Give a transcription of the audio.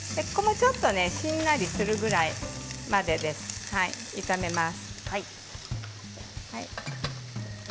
ちょっとしんなりするぐらい混ぜて炒めます。